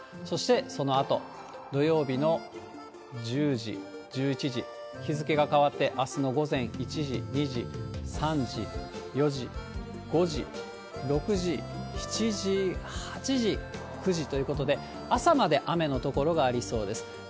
そしてそのあと、土曜日の１０時、１１時、日付が変わってあすの午前１時、２時、３時、４時、５時、６時、７時、８時、９時ということで、朝まで雨の所がありそうです。